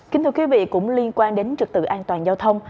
kính thưa quý vị cũng liên quan đến trực tự an toàn giao thông